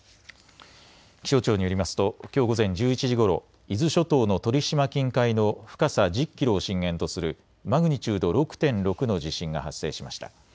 気象庁によりますときょう午前１１時ごろ、伊豆諸島の鳥島近海の深さ１０キロを震源とするマグニチュード６．６の地震が発生しました。